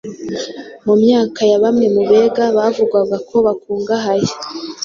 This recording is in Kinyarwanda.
Mu myaka ya bamwe mu bega bavugwaga ko bakungahaye